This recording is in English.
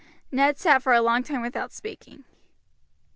Ned sat for a long time without speaking.